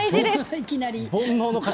いきなり。